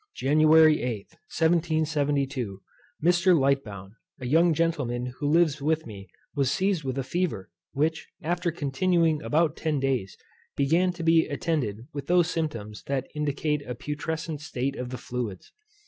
January 8, 1772, Mr. Lightbowne, a young gentleman who lives with me, was seized with a fever, which, after continuing about ten days, began to be attended with those symptoms that indicate a putrescent state of the fluids.